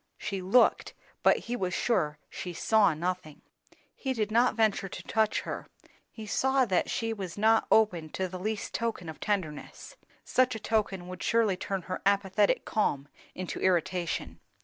She looked, but he was sure she saw nothing. He did not venture to touch her; he saw that she was not open to the least token of tenderness; such a token would surely turn her apathetic calm into irritation.